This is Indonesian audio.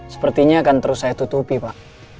sepertinya akan terus saya tutupi pak